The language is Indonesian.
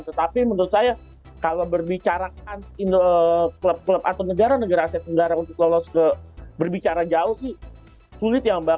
tetapi menurut saya kalau berbicara kans klub klub atau negara negara asia tenggara untuk lolos ke berbicara jauh sih sulit ya mbak